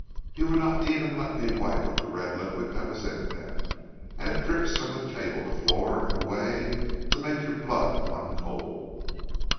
He would not even let me wipe up the red liquid that was in them, and it drips from table to floor in a way to make your blood run cold.'